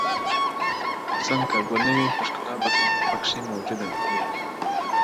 o حسن كه گل نه وي خو ښكـلا پـكـــي مـــوجــــوده وي؛